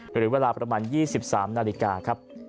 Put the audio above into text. หรือเวลาประมาณ๒๓นาฬิกาครับ